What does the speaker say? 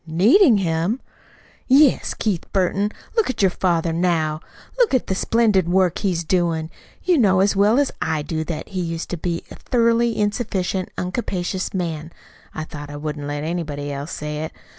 "Needing him!" "Yes. Keith Burton, look at your father now. Look at the splendid work he's doin'. You know as well as I do that he used to be a thoroughly insufficient, uncapacious man (though I wouldn't let anybody else say it!)